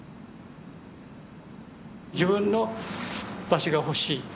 自分の場所が欲しい。